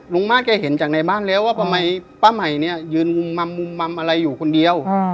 ลุงมาตรก็เห็นจากในบ้านแล้วว่าป้าใหม่เนี่ยยืนมำอะไรอยู่คนเดียว